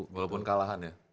walaupun kalahan ya